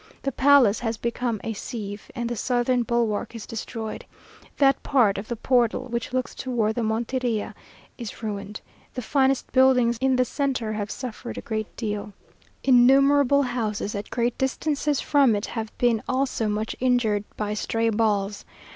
The palace has become a sieve, and the southern bulwark is destroyed; that part of the portal which looks towards the Monterilla is ruined; the finest buildings in the centre have suffered a great deal; innumerable houses at great distances from it have been also much injured by stray balls.